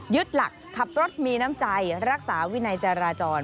หลักขับรถมีน้ำใจรักษาวินัยจราจร